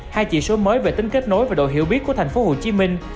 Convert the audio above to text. hai chỉ số mới về tính kết nối và độ hiểu biết của thành phố hồ chí minh